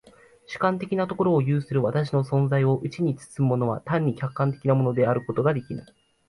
主観的なところを有する私の存在をうちに包むものは単に客観的なものであることができぬ。